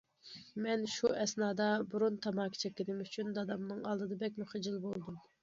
مەن شۇ ئەسنادا بۇرۇن تاماكا چەككىنىم ئۈچۈن دادامنىڭ ئالدىدا بەكمۇ خىجىل بولدۇم.